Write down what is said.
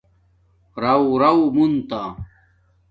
رَݸرݸ منتا